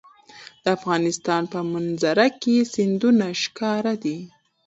د افغانستان په منظره کې سیندونه ښکاره ده.